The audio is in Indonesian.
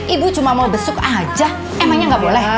ibu cuma mau besuk aja emangnya nggak boleh